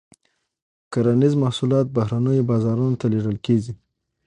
کرنیز محصولات بهرنیو بازارونو ته لیږل کیږي.